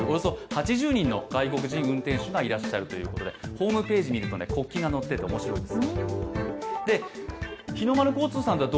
ホームページを見ると国旗が載っていて面白いです。